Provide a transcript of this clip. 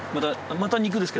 また肉です。